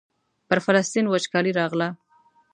پر فلسطین وچکالي راغله.